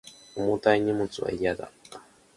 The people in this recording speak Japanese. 重たい荷物は嫌だ